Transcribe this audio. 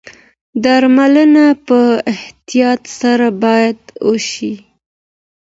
درملنه په احتیاط سره باید وشي.